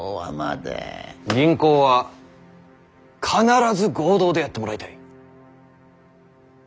銀行は必ず合同でやってもらいたい。